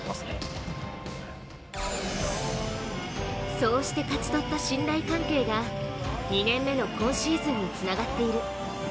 そうして勝ち取った信頼関係が２年目の今シーズンにつながっている。